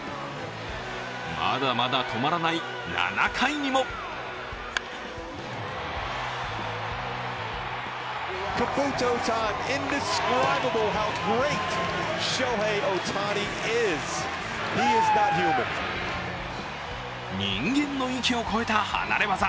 まだまだ止まらない７回にも人間の域を超えた離れ業。